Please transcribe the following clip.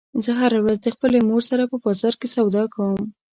زه هره ورځ د خپلې مور سره په بازار کې سودا کوم